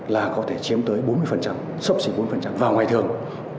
là có thể chiếm tới bốn mươi sốc chỉ bốn mươi vào ngoài thường